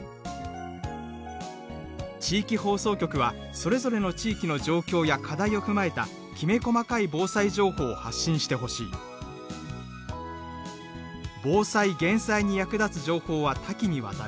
「地域放送局はそれぞれの地域の状況や課題を踏まえたきめ細かい防災情報を発信してほしい」「防災・減災に役立つ情報は多岐にわたる。